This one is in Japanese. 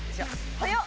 早っ！